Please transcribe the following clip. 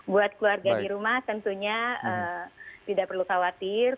buat keluarga di rumah tentunya tidak perlu khawatir